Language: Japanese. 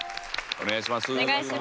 お願いします。